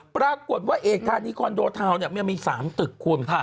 ปรากฎว่าเอกทานิคอนโดเทามี๓ตึกควร